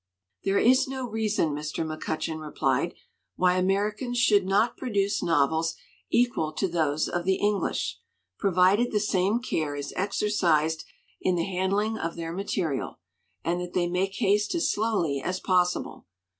"There is no reason," Mr. McCutcheon replied, "why Americans should not produce novels equal to those of the English, provided the same care is exercised in the handling of their material, and that they make haste as slowly as possible.